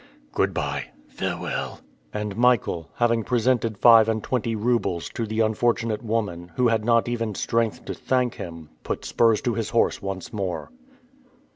"Good by." "Farewell." And Michael, having presented five and twenty roubles to the unfortunate woman, who had not even strength to thank him, put spurs to his horse once more.